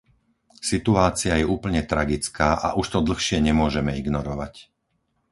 Situácia je úplne tragická a už to dlhšie nemôžeme ignorovať.